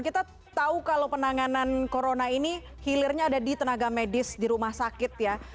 kita tahu kalau penanganan corona ini hilirnya ada di tenaga medis di rumah sakit ya